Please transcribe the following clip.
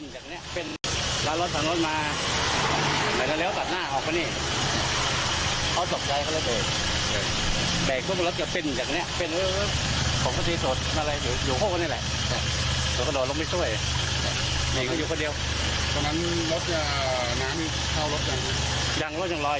โบราณ